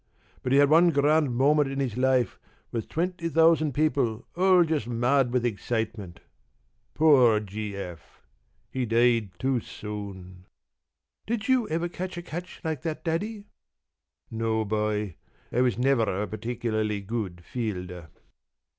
But he had one grand moment in his life, with twenty thousand people all just mad with excitement. Poor G.F.! He died too soon." "Did you ever catch a catch like that, Daddy?" "No, boy. I was never a particularly good fielder."